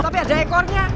tapi ada ekornya